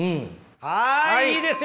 はいいいですよ。